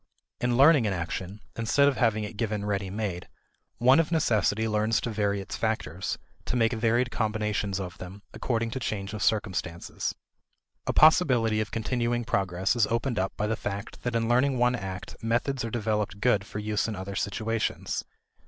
In learning an action, instead of having it given ready made, one of necessity learns to vary its factors, to make varied combinations of them, according to change of circumstances. A possibility of continuing progress is opened up by the fact that in learning one act, methods are developed good for use in other situations.